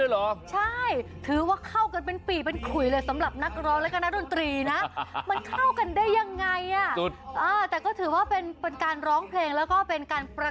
และ๔กไกลสหรือสีห้าสองหกสามกรุงเทพมหานคร